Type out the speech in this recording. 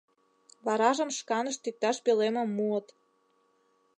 Варажым шканышт иктаж пӧлемым муыт.